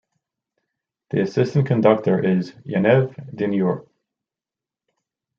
The assistant conductor is Yaniv Dinur.